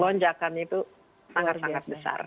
lonjakan itu sangat sangat besar